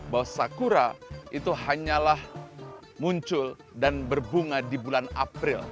bahwa sakura itu hanyalah muncul dan berbunga di bulan april